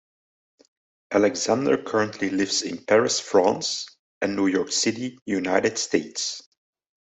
Alexander currently lives in Paris, France, and New York City, United States.